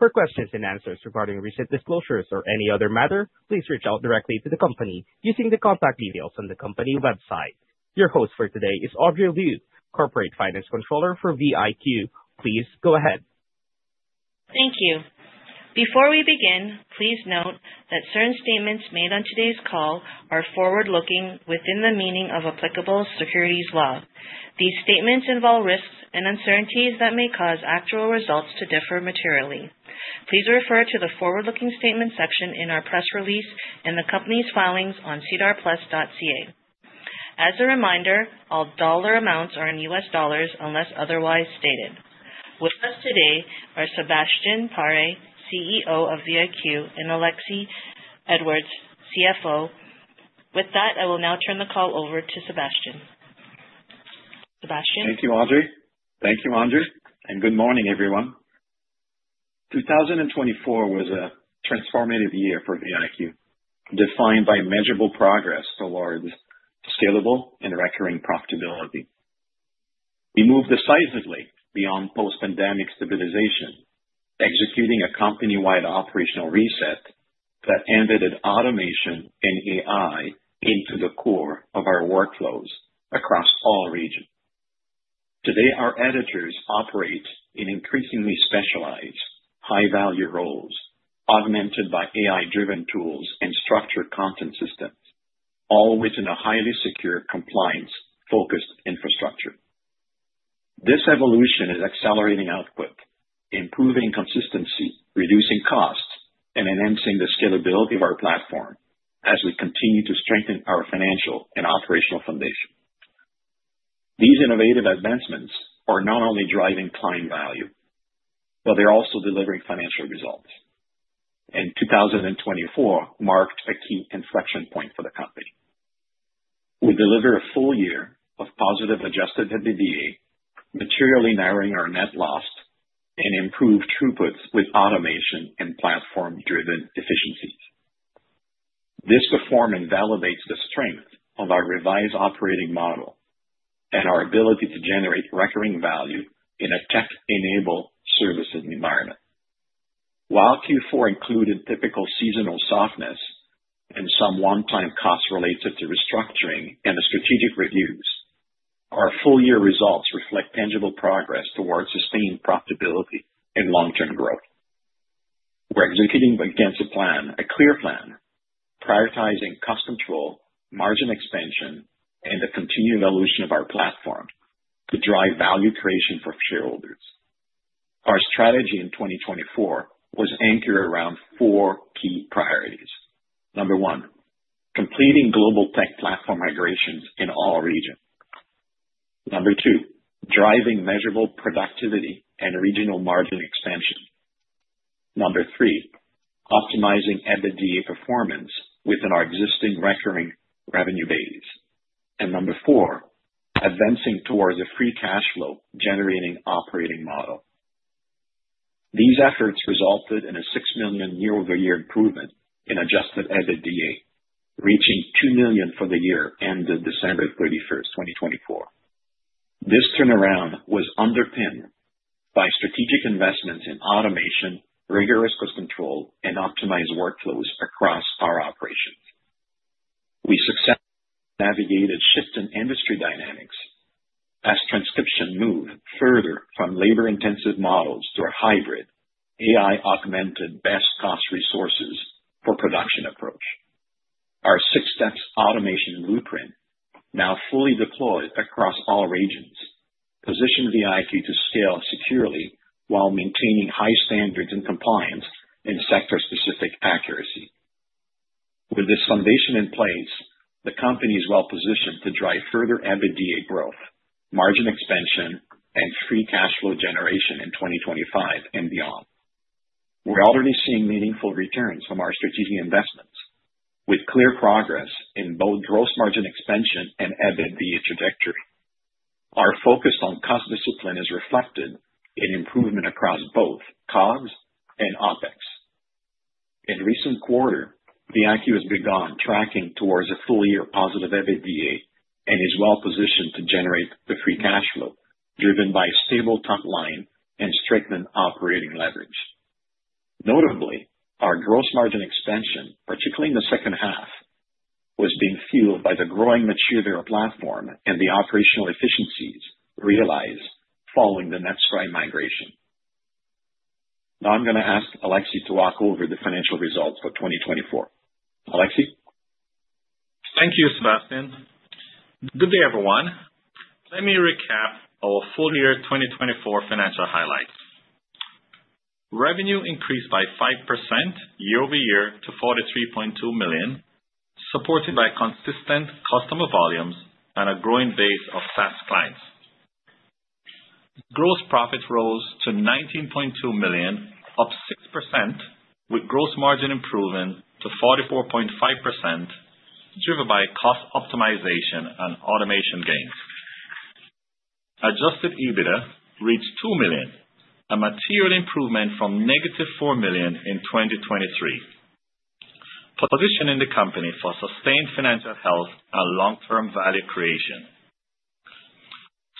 For questions and answers regarding recent disclosures or any other matter, please reach out directly to the company using the contact details on the company website. Your host for today is Audrey Liu, Corporate Finance Controller for VIQ. Please go ahead. Thank you. Before we begin, please note that certain statements made on today's call are forward-looking within the meaning of applicable securities law. These statements involve risks and uncertainties that may cause actual results to differ materially. Please refer to the forward-looking statements section in our press release and the company's filings on sedarplus.ca. As a reminder, all dollar amounts are in US dollars unless otherwise stated. With us today are Sebastien Paré, CEO of VIQ, and Alexie Edwards, CFO. With that, I will now turn the call over to Sebastien. Sebastien? Thank you, Audrey. Good morning, everyone. 2024 was a transformative year for VIQ, defined by measurable progress towards scalable and recurring profitability. We moved decisively beyond post-pandemic stabilization, executing a company-wide operational reset that embedded automation and AI into the core of our workflows across all regions. Today, our editors operate in increasingly specialized, high-value roles augmented by AI-driven tools and structured content systems, all within a highly secure, compliance-focused infrastructure. This evolution is accelerating output, improving consistency, reducing costs, and enhancing the scalability of our platform as we continue to strengthen our financial and operational foundation. These innovative advancements are not only driving client value, but they're also delivering financial results. 2024 marked a key inflection point for the company. We deliver a full year of positive adjusted EBITDA, materially narrowing our net loss and improved throughputs with automation and platform-driven efficiencies. This reform invalidates the strength of our revised operating model and our ability to generate recurring value in a tech-enabled services environment. While Q4 included typical seasonal softness and some one-time costs related to restructuring and the strategic reviews, our full-year results reflect tangible progress towards sustained profitability and long-term growth. We're executing against a plan, a clear plan, prioritizing cost control, margin expansion, and the continued evolution of our platform to drive value creation for shareholders. Our strategy in 2024 was anchored around four key priorities. Number one, completing global tech platform migrations in all regions. Number two, driving measurable productivity and regional margin expansion. Number three, optimizing EBITDA performance within our existing recurring revenue base. And number four, advancing towards a free cash flow generating operating model. These efforts resulted in a $6 million year-over-year improvement in Adjusted EBITDA, reaching $2 million for the year ended December 31, 2024. This turnaround was underpinned by strategic investments in automation, rigorous cost control, and optimized workflows across our operations. We successfully navigated shift in industry dynamics as transcription moved further from labor-intensive models to a hybrid AI-augmented best-cost-resources-for-production approach. Our six-steps automation blueprint, now fully deployed across all regions, positioned VIQ to scale securely while maintaining high standards and compliance and sector-specific accuracy. With this foundation in place, the company is well-positioned to drive further EBITDA growth, margin expansion, and free cash flow generation in 2025 and beyond. We're already seeing meaningful returns from our strategic investments, with clear progress in both gross margin expansion and EBITDA trajectory. Our focus on cost discipline is reflected in improvement across both COGS and OpEx. In recent quarter, VIQ has begun tracking towards a full-year positive EBITDA and is well-positioned to generate the free cash flow driven by a stable top line and strengthened operating leverage. Notably, our gross margin expansion, particularly in the second half, was being fueled by the growing maturity of our platform and the operational efficiencies realized following the NetScribe migration. Now I'm going to ask Alexie to walk over the financial results for 2024. Alexie? Thank you, Sebastien. Good day, everyone. Let me recap our full-year 2024 financial highlights. Revenue increased by 5% year-over-year to $43.2 million, supported by consistent customer volumes and a growing base of SaaS clients. Gross profit rose to $19.2 million, up 6%, with gross margin improvement to 44.5%, driven by cost optimization and automation gains. Adjusted EBITDA reached $2 million, a material improvement from negative $4 million in 2023, positioning the company for sustained financial health and long-term value creation.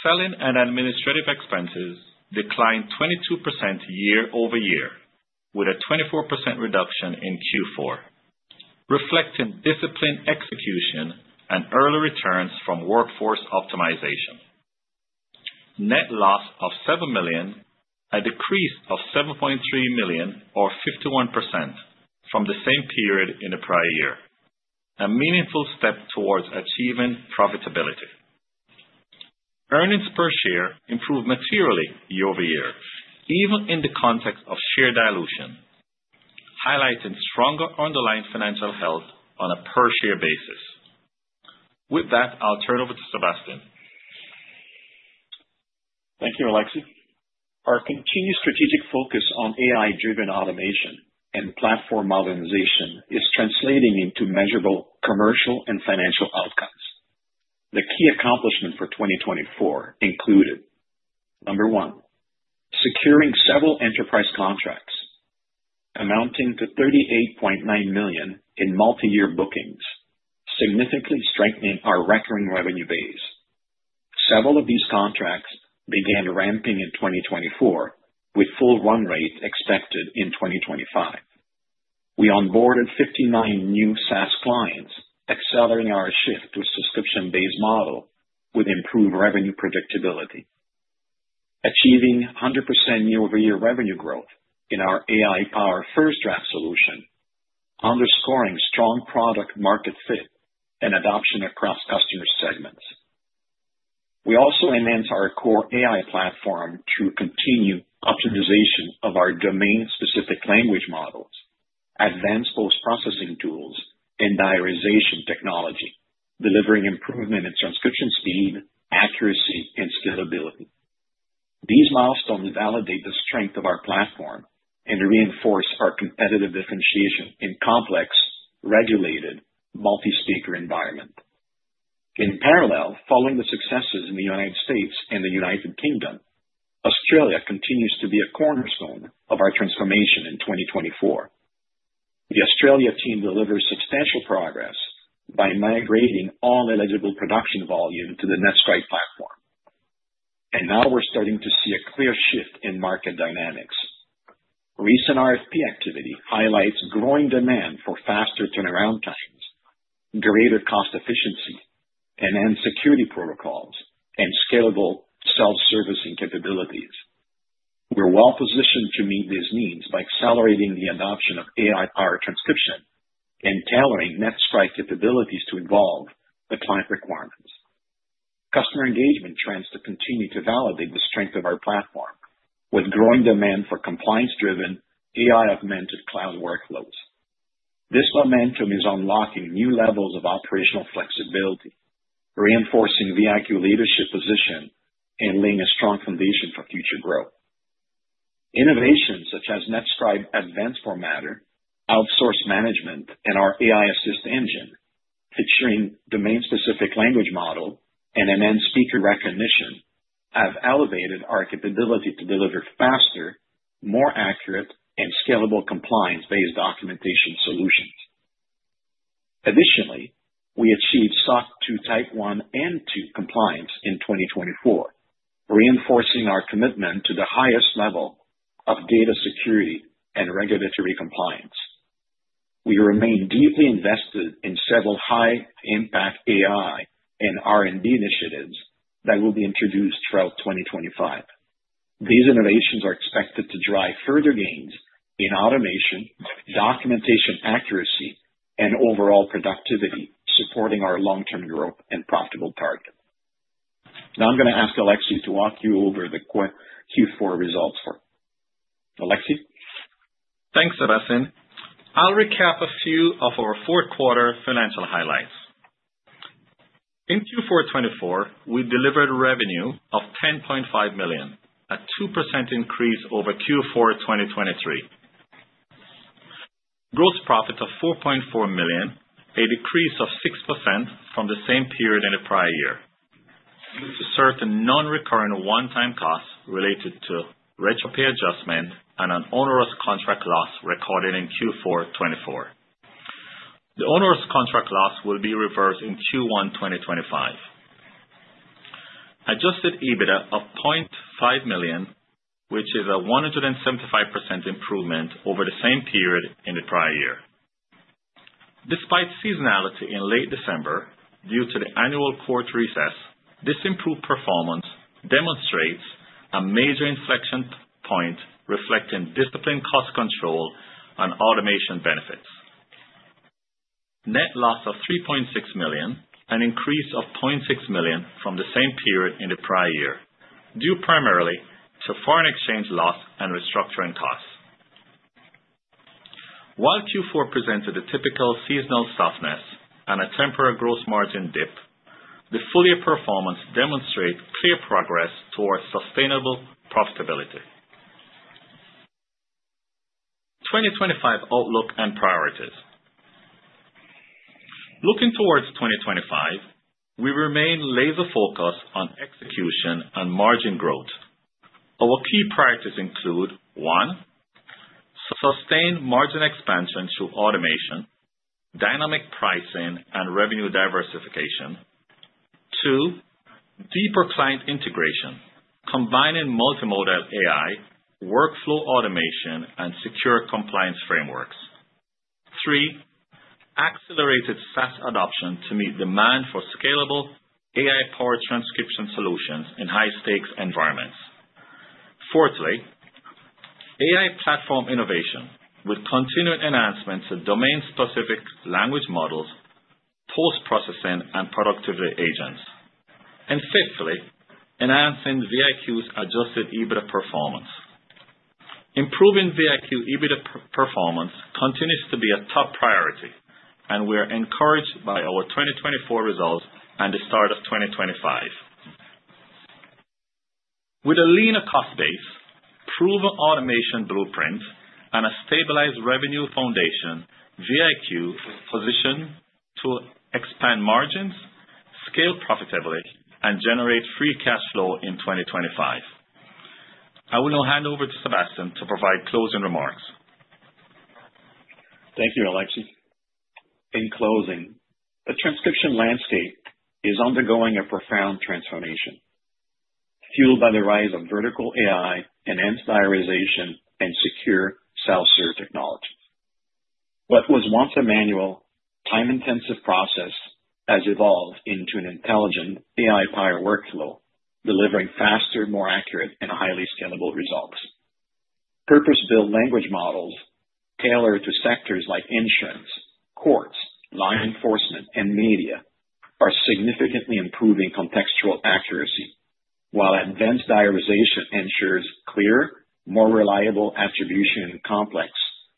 Selling and administrative expenses declined 22% year-over-year, with a 24% reduction in Q4, reflecting disciplined execution and early returns from workforce optimization. Net loss of $7 million, a decrease of $7.3 million, or 51%, from the same period in the prior year, a meaningful step towards achieving profitability. Earnings per share improved materially year-over-year, even in the context of share dilution, highlighting stronger underlying financial health on a per-share basis. With that, I'll turn over to Sebastien. Thank you, Alexie. Our continued strategic focus on AI-driven automation and platform modernization is translating into measurable commercial and financial outcomes. The key accomplishments for 2024 included: Number one, securing several enterprise contracts amounting to $38.9 million in multi-year bookings, significantly strengthening our recurring revenue base. Several of these contracts began ramping in 2024, with full run rate expected in 2025. We onboarded 59 new SaaS clients, accelerating our shift to a subscription-based model with improved revenue predictability, achieving 100% year-over-year revenue growth in our AI-powered FirstDraft solution, underscoring strong product-market fit and adoption across customer segments. We also enhanced our core AI platform through continued optimization of our domain-specific language models, advanced post-processing tools, and diarization technology, delivering improvement in transcription speed, accuracy, and scalability. These milestones validate the strength of our platform and reinforce our competitive differentiation in complex, regulated, multi-speaker environments. In parallel, following the successes in the United States and the United Kingdom, Australia continues to be a cornerstone of our transformation in 2024. The Australia team delivered substantial progress by migrating all eligible production volume to the NetScribe platform. We are now starting to see a clear shift in market dynamics. Recent RFP activity highlights growing demand for faster turnaround times, greater cost efficiency, enhanced security protocols, and scalable self-servicing capabilities. We are well-positioned to meet these needs by accelerating the adoption of AI-powered transcription and tailoring NetScribe capabilities to evolve the client requirements. Customer engagement trends continue to validate the strength of our platform, with growing demand for compliance-driven, AI-augmented cloud workflows. This momentum is unlocking new levels of operational flexibility, reinforcing VIQ's leadership position and laying a strong foundation for future growth. Innovations such as NetScribe Advanced Formatter, outsource management, and our AI Assist engine, featuring domain-specific language model and enhanced speaker recognition, have elevated our capability to deliver faster, more accurate, and scalable compliance-based documentation solutions. Additionally, we achieved SOC 2 Type 1 and 2 compliance in 2024, reinforcing our commitment to the highest level of data security and regulatory compliance. We remain deeply invested in several high-impact AI and R&D initiatives that will be introduced throughout 2025. These innovations are expected to drive further gains in automation, documentation accuracy, and overall productivity, supporting our long-term growth and profitable target. Now I'm going to ask Alexie to walk you over the Q4 results for Alexie. Thanks, Sebastien. I'll recap a few of our fourth-quarter financial highlights. In Q4 2024, we delivered revenue of $10.5 million, a 2% increase over Q4 2023, gross profit of $4.4 million, a decrease of 6% from the same period in the prior year, due to certain non-recurrent one-time costs related to retro pay adjustment and an onerous contract loss recorded in Q4 2024. The onerous contract loss will be reversed in Q1 2025. Adjusted EBITDA of $0.5 million, which is a 175% improvement over the same period in the prior year. Despite seasonality in late December due to the annual court recess, this improved performance demonstrates a major inflection point reflecting disciplined cost control and automation benefits. Net loss of $3.6 million, an increase of $0.6 million from the same period in the prior year, due primarily to foreign exchange loss and restructuring costs. While Q4 presented a typical seasonal softness and a temporary gross margin dip, the full-year performance demonstrates clear progress towards sustainable profitability. 2025 Outlook and Priorities. Looking towards 2025, we remain laser-focused on execution and margin growth. Our key priorities include: one, sustained margin expansion through automation, dynamic pricing and revenue diversification; two, deeper client integration, combining multimodal AI, workflow automation, and secure compliance frameworks; three, accelerated SaaS adoption to meet demand for scalable AI-powered transcription solutions in high-stakes environments; fourthly, AI platform innovation with continued enhancements of domain-specific language models, post-processing, and productivity agents; and fifthly, enhancing VIQ's adjusted EBITDA performance. Improving VIQ EBITDA performance continues to be a top priority, and we're encouraged by our 2024 results and the start of 2025. With a leaner cost base, proven automation blueprint, and a stabilized revenue foundation, VIQ is positioned to expand margins, scale profitably, and generate free cash flow in 2025. I will now hand over to Sebastien to provide closing remarks. Thank you, Alexie. In closing, the transcription landscape is undergoing a profound transformation, fueled by the rise of vertical AI, enhanced diarization, and secure self-serve technology. What was once a manual, time-intensive process has evolved into an intelligent AI-powered workflow, delivering faster, more accurate, and highly scalable results. Purpose-built language models tailored to sectors like insurance, courts, law enforcement, and media are significantly improving contextual accuracy, while advanced diarization ensures clear, more reliable attribution in complex,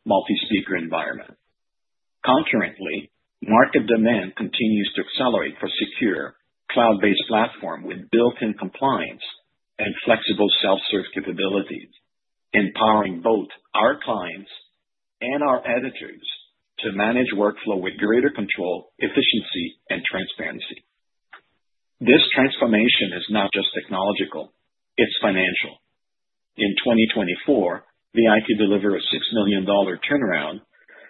multi-speaker environments. Concurrently, market demand continues to accelerate for a secure cloud-based platform with built-in compliance and flexible self-serve capabilities, empowering both our clients and our editors to manage workflow with greater control, efficiency, and transparency. This transformation is not just technological. It is financial. In 2024, VIQ delivered a $6 million turnaround,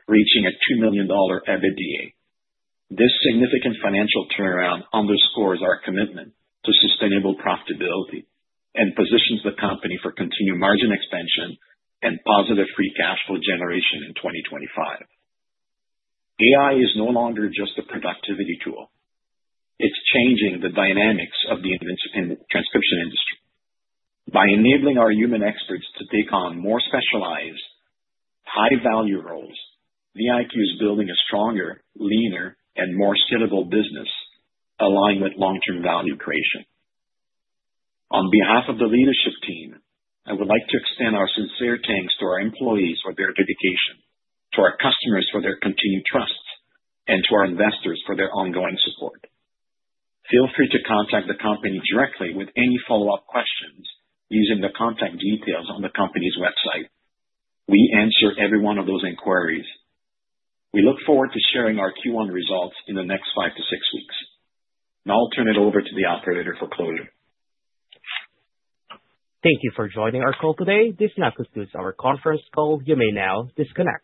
reaching a $2 million EBITDA. This significant financial turnaround underscores our commitment to sustainable profitability and positions the company for continued margin expansion and positive free cash flow generation in 2025. AI is no longer just a productivity tool; it's changing the dynamics of the transcription industry. By enabling our human experts to take on more specialized, high-value roles, VIQ is building a stronger, leaner, and more scalable business aligned with long-term value creation. On behalf of the leadership team, I would like to extend our sincere thanks to our employees for their dedication, to our customers for their continued trust, and to our investors for their ongoing support. Feel free to contact the company directly with any follow-up questions using the contact details on the company's website. We answer every one of those inquiries. We look forward to sharing our Q1 results in the next five to six weeks. Now I'll turn it over to the operator for closing. Thank you for joining our call today. This now concludes our conference call. You may now disconnect.